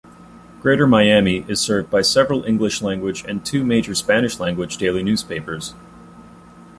Greater Miami is served by several English-language and two major Spanish-language daily newspapers.